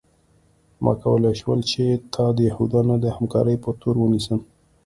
ما کولی شول چې تا د یهودانو د همکارۍ په تور ونیسم